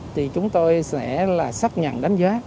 thì chúng tôi sẽ là xác nhận đánh giá